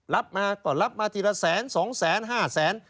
รับมาก็รับมาทีละแสน๒๕๐๐๐